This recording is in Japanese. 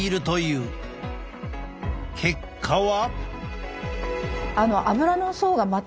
結果は？